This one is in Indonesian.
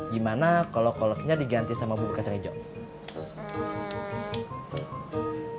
gimana kalo kolaknya diganti sama bubur kacang hijau